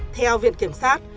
theo viện kiểm sát